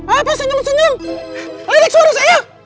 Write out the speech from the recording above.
apa senyum senyum naik suara saya